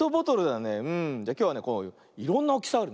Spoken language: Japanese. きょうはねこういろんなおおきさあるね。